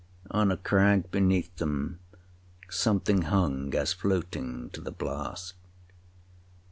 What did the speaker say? On a crag beneath them, something hung as floating to the blast.